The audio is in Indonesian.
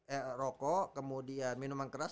eh rokok kemudian minuman keras